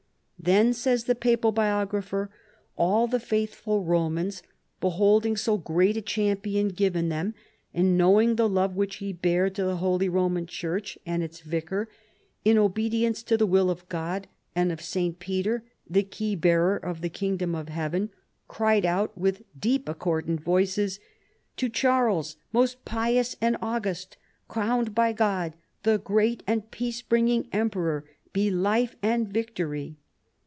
" Then, ' says the papal bi ograj)her, "all the faithful Romans, beholding so great a champion given them, and knowing the love which he bare to the Holy Roman Church and its vicar, in obedience to the will of God and of St. Peter, the key bearer of the kingdom of heaven, cried out with deep accordant voices :' To Charles, most pious and august, crowned by God, the great and peace bringing emperor, be life and victory